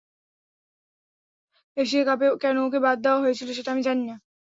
Asia কাপে কেন ওকে বাদ দেওয়া হয়েছিল, সেটা আমি জানি না।